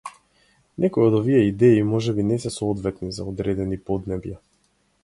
Некои од овие идеи можеби не се соодветни за одредени поднебја.